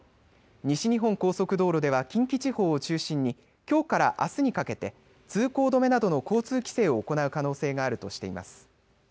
西日本高速道路では近畿地方を中心にきょうからあすにかけて通行止めなどの交通規制を行う可能性があるとしています。